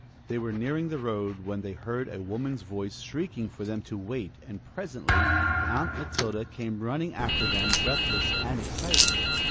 They were nearing the road when they heard a woman's voice shrieking for them to wait, and presently Aunt Matilda came running after them, breathless and excited.